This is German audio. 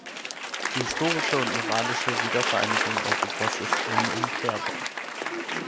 Die historische und moralische Wiedervereinigung Europas ist unumkehrbar.